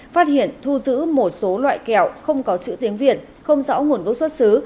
phát hiện thu giữ một số loại kẹo không có chữ tiếng việt không rõ nguồn gốc xuất xứ